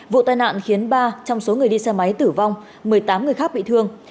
vụ tai nạn khiến ba trong số người đi xe máy tử vong một mươi tám người khác bị thương